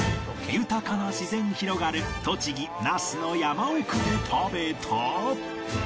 豊かな自然広がる栃木那須の山奥で食べた